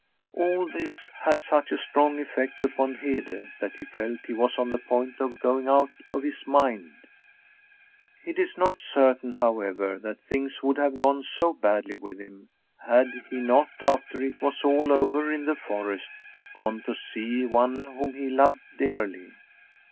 All this had such a strong effect upon Hede that he felt he was on the point of going out of his mind. It is not certain, however, that things would have gone so badly with him had he not, after it was all over in the forest, gone to see one whom he loved dearly.